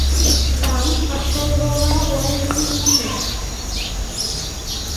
Tam absolvoval vojenský výcvik.